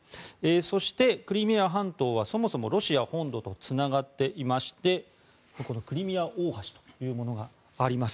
そして、クリミア半島はそもそもロシア本土とつながっていましてこのクリミア大橋というものがあります。